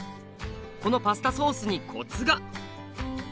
このパスタソースにコツが！